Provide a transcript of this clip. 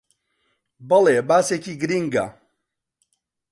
بەڵێ، باسێکی گرینگە